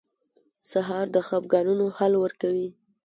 سهار د خفګانونو حل ورکوي.